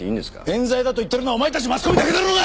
冤罪だと言ってるのはお前たちマスコミだけだろうが！